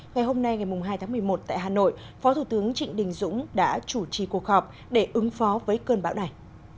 ngày hôm nay ngày hai tháng một mươi một tại hà nội phó thủ tướng trịnh đình dũng đã chủ trì cuộc họp để ứng phó với cơn bão này